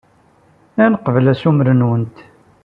Ad neqbel assumer-nwent.